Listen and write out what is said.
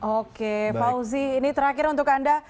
oke fauzi ini terakhir untuk anda